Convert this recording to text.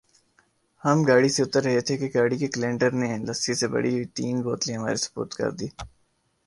ہم گاڑی سے اتر رہے تھے کہ گاڑی کے کلنڈر نے لسی سے بھری ہوئی تین بوتلیں ہمارے سپرد کر دیں ۔